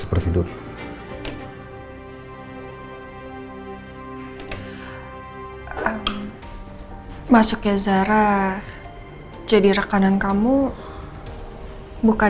silahkan mbak mbak